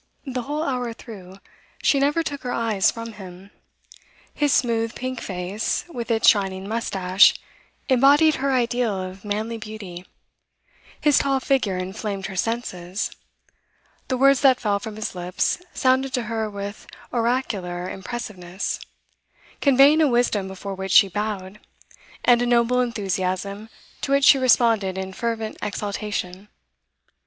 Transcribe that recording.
The whole hour through she never took her eyes from him. His smooth, pink face, with its shining moustache, embodied her ideal of manly beauty; his tall figure inflamed her senses; the words that fell from his lips sounded to her with oracular impressiveness, conveying a wisdom before which she bowed, and a noble enthusiasm to which she responded in fervent exaltation.